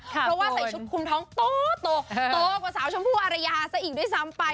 เพราะว่าใส่ชุดคุมท้องโตกว่าสาวชมพู่อารยาซะอีกด้วยซ้ำไป